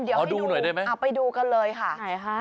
เดี๋ยวให้ดูไปดูกันเลยค่ะ